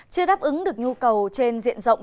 chưa đáp ứng được nhu cầu trên diện rộng